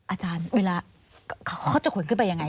อาจารย์เวลาเขาจะขนขึ้นไปยังไง